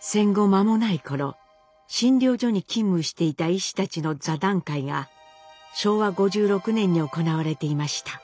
戦後間もない頃診療所に勤務していた医師たちの座談会が昭和５６年に行われていました。